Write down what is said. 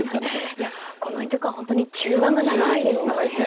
いやこの一局は本当に中盤が長いですよね。